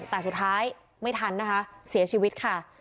แต่สุดท้ายไม่ทันนะคะเสียชีวิตค่ะ